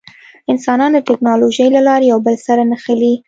انسانان د ټکنالوجۍ له لارې یو بل سره نښلي.